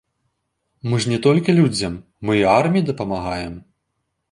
Мы ж не толькі людзям, мы і арміі дапамагаем.